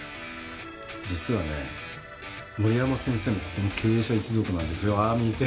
実はね森山先生もここの経営者一族なんですよああ見えて。